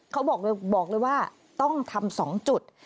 เขาบอกเลยว่าต้องทำ๒จุด